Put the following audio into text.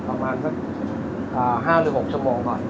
ประมาณสัก๕หรือ๖ชั่วโมงก่อน